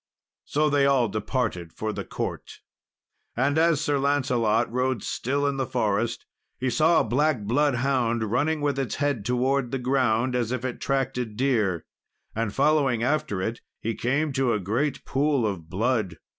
So they all departed for the court. And as Sir Lancelot rode still in the forest, he saw a black bloodhound, running with its head towards the ground, as if it tracked a deer. And following after it, he came to a great pool of blood.